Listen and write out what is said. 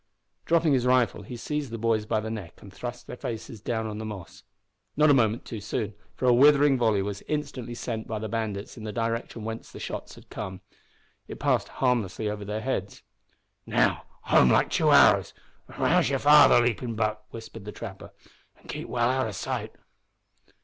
Dropping his rifle, he seized the boys by the neck and thrust their faces down on the moss: not a moment too soon, for a withering volley was instantly sent by the bandits in the direction whence the shots had come. It passed harmlessly over their heads. "Now, home like two arrows, and rouse your father, Leaping Buck," whispered the trapper, "and keep well out o' sight."